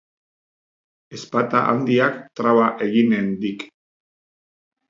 Ezpata handiak traba eginen dik.